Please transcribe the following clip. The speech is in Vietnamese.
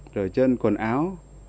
rồi trên quần áo